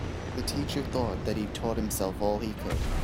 The teacher thought that he'd taught himself all he could.